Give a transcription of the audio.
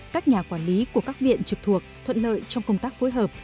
các nhà quản lý của các viện trực thuộc thuận lợi trong công tác phối hợp